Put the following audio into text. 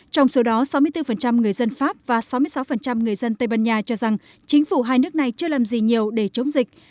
trong số đó sáu mươi bốn người dân pháp và sáu mươi sáu người dân tây ban nha cho rằng chính phủ hai nước này chưa làm gì nhiều để chống dịch